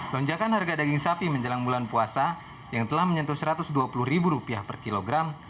lonjakan harga daging sapi menjelang bulan puasa yang telah menyentuh rp satu ratus dua puluh per kilogram